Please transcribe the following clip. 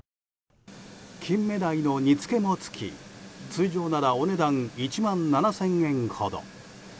キンメダイの煮つけも付き通常なら１万７０００円ほど。